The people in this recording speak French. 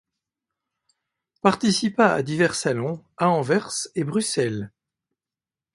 Participa à divers salons à Anvers et Bruxelles.